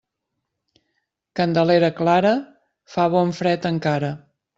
Candelera clara, fa bon fred encara.